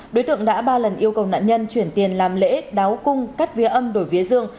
đối tượng đã ba lần yêu cầu nạn nhân chuyển tiền làm lễ đáo cung cắt vía âm đổi vía dương